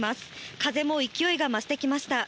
風も勢いが増してきました。